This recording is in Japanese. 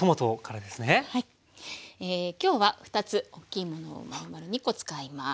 今日は２つおっきいものをまるまる２コ使います。